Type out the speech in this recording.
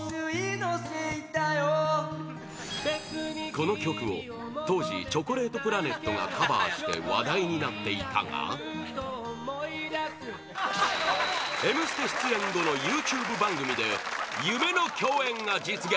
この曲を当時チョコレートプラネットがカバーして話題になっていたが「Ｍステ」出演後のＹｏｕＴｕｂｅ番組で夢の共演が実現